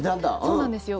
そうなんですよ。